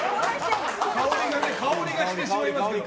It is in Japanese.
香りがしてしまいますけど。